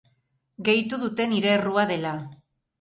Gehitu dute nire errua dela.